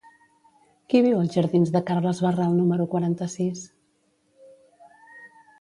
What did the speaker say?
Qui viu als jardins de Carles Barral número quaranta-sis?